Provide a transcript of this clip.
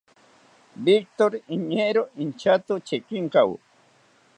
Victori iñeero inchato chekinkawo